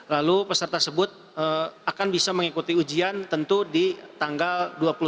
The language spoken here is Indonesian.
lalu peserta sebut akan bisa mengikuti ujian tentu di tanggal dua puluh satu